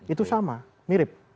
itu sama mirip